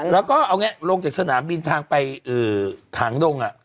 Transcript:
แล้วก็เอาไงลงจากสนามบินทางไปถางดง